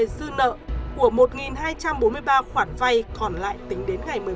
dư nợ của một hai trăm bốn mươi ba khoản vay còn lại tính đến nay